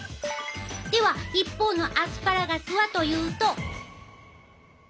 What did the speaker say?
では一方のアスパラガスはというと。